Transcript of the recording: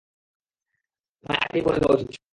তোমায় আগেই বলে দেয়া উচিত ছিল।